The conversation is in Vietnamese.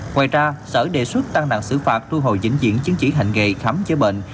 ngoài ra sở đề xuất tăng nặng xử phạt thu hồi diễn diễn chiến chỉ hành nghề khám bệnh